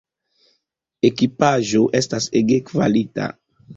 Ekipaĵo estas ege kvalita.